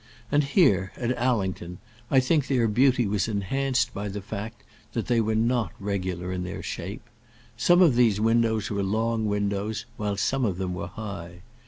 And here, at Allington, I think their beauty was enhanced by the fact that they were not regular in their shape. Some of these windows were long windows, while some of them were high.